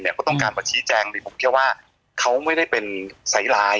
เขาต้องการประชิงแจงเลยผมเชื่อว่าเขาไม่ได้เป็นใสลาย